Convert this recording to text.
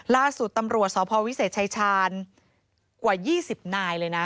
ล่าสุดตำรวจสพวิเศษชายชาญกว่า๒๐นายเลยนะ